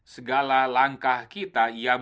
segala langkah kita yang